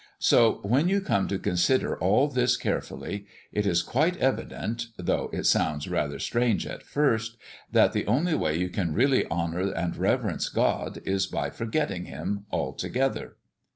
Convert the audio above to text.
So, when you come to consider all this carefully, it is quite evident though it sounds rather strange at first that the only way you can really honour and reverence God is by forgetting Him altogether."